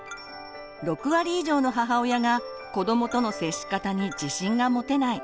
６割以上の母親が子どもとの接し方に自信が持てない。